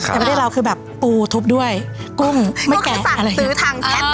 แต่ไม่ได้เราคือแบบปูทุบด้วยกุ้งไม่แกะอะไรอย่างนี้